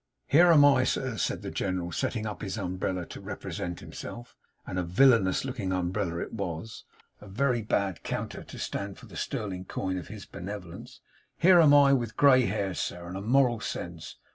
Here am I, sir,' said the General, setting up his umbrella to represent himself, and a villanous looking umbrella it was; a very bad counter to stand for the sterling coin of his benevolence, 'here am I with grey hairs sir, and a moral sense.